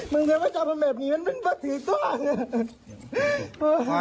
มึงคิดว่าเจ้าพระเมฆนี่มันเป็นประสิทธิ์ตัว